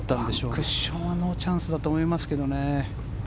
ワンクッションはノーチャンスだと思いますが。